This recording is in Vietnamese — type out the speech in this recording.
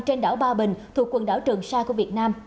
trên đảo ba bình thuộc quần đảo trường sa của việt nam